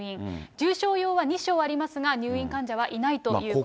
重症用は２床ありますが、入院患者はいないということです。